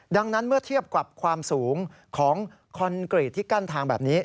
ดังนั้นเมื่อเทียบกับความสูงของคอนกรีตที่กั้นทางแบบนี้